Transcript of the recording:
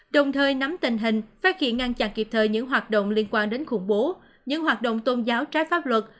đồng thời nắm tình hình phát hiện ngăn chặn kịp thời những hoạt động liên quan đến khủng bố những hoạt động tôn giáo trái pháp luật